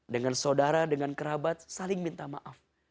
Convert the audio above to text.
dengan saudara dengan kerabat saling minta maaf